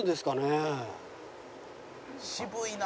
「渋いな！」